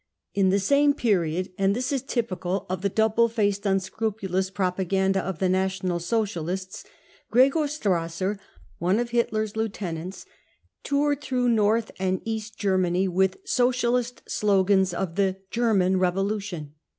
In the same period — and this is typical of the double faced, un scrupulous propaganda of the National Socialists— Gregor Strasser, one of Hitler's lieutenants, toured through North and East Germany with " socialist " slogans of the 4 4 Ger man revolution."